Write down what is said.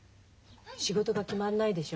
仕事が決まんないでしょ。